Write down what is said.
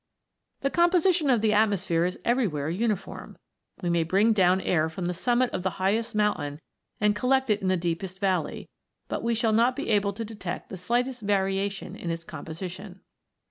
The composition of the atmosphere is everywhere uniform ; we may bring down air from the summit of the highest mountain and collect it in the deepest valley, but we shall not be able to detect the slightest variation in its composition.